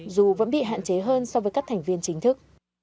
dù vẫn bị hạn chế hơn so với các thành viên chính thức